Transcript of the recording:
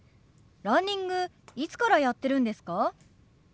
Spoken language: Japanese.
ランニングいつからやってるんですか？